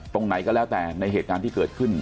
ตรงไหนก็แล้วแต่ในเหตุการณ์ที่เกิดขึ้น